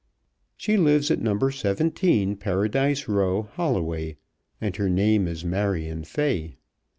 She lives at No. 17, Paradise Row, Holloway, and her name is Marion Fay.